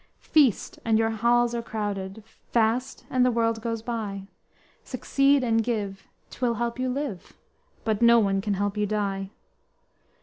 _ _Feast, and your halls are crowded, Fast, and the world goes by, Succeed and give, 'twill help you live; But no one can help you die!